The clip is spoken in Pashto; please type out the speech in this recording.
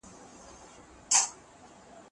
او هر هغه ډله او لږهکیان چې د سپکاوي له لارې